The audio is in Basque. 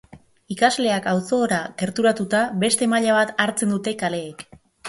Ikasleak auzora gerturatuta beste maila bat hartzen dute kaleek.